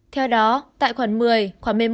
theo đó tại khoản một mươi khoảng một mươi một